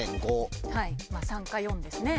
３か４ですね。